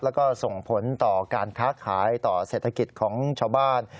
แล้วก็ส่งผลต่อการค้าขายต่อเศรษฐกิจของชาวบ้าน